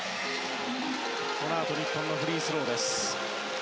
このあと日本のフリースローです。